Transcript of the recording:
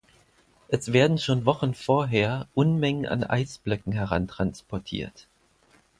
Es werden schon Wochen vorher Unmengen an Eisblöcken herantransportiert.